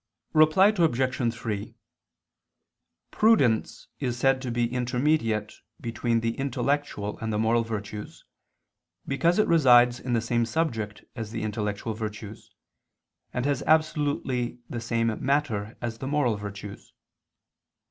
Reply Obj. 3: Prudence is said to be intermediate between the intellectual and the moral virtues because it resides in the same subject as the intellectual virtues, and has absolutely the same matter as the moral virtues.